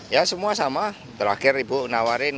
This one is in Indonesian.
ya semua sama terakhir ibu nawarin